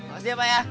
makasih ya pak ya